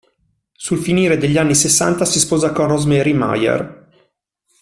Sul finire degli anni sessanta si sposa con Rosemary Mayer.